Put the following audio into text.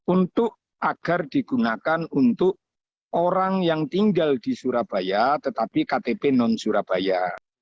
untuk agar digunakan untuk orang yang tinggal di surabaya tetapi ktp non surabaya